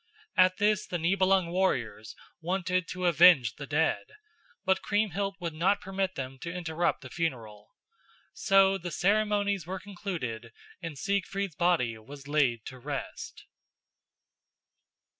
At this the Nibelung warriors wanted to avenge the dead, but Kriemhild would not permit them to interrupt the funeral. So the ceremonies were concluded and Siegfried's body was laid to rest.